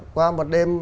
qua một đêm